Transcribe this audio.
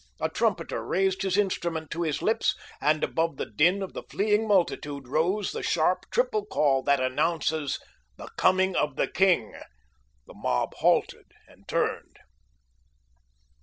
A trumpeter raised his instrument to his lips, and above the din of the fleeing multitude rose the sharp, triple call that announces the coming of the king. The mob halted and turned.